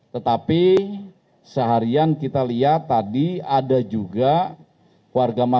tetapi seharian kita lihat tadi ada juga warung